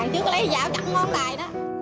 nhưng vẫn bị từ chối